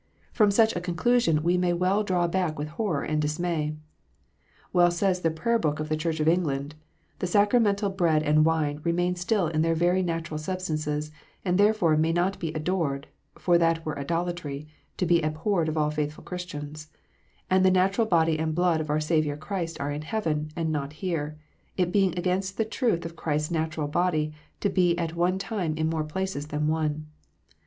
From such a conclusion we may well draw back with horror and dismay. Well says the Prayer book of the Church of England: "The sacramental bread and wine remain still in their very natural substances, and therefore may not be adored (for that were idolatry, to be abhorred of all faithful Christians) ; and the natural body and blood of our Saviour Christ are in heaven, and not here; it being against the truth of Christ s natural body to be at one time in more places than one."